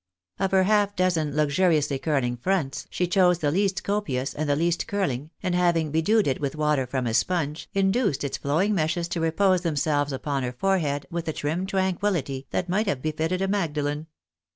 Of her half dozen luxuriously curling "fronts," she chose the least copious and the least curling, and having bedewed it with water from a sponge, induced its flowing meshes to repose them selves upon her forehead with a trim tranquillity that might have befitted a Magdalen.